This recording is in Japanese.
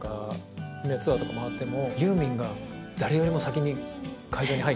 ツアーとか回ってもユーミンが誰よりも先に会場に入って。